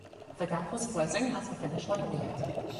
The gap was closing as the finish line neared.